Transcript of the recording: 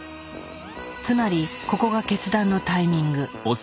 つまりここが決断のタイミング。